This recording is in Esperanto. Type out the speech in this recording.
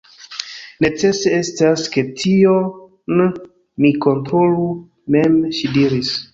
Necese estas, ke tion mi kontrolu mem, ŝi diris.